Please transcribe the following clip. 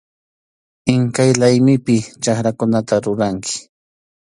Iskay laymipi chakrakunata ruranki.